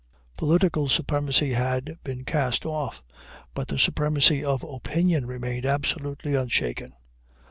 Political supremacy had been cast off, but the supremacy of opinion remained absolutely unshaken.